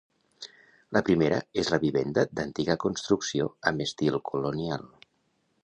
La primera és la vivenda d'antiga construcció amb estil colonial.